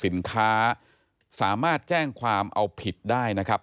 สินค้าสามารถแจ้งความเอาผิดได้นะครับ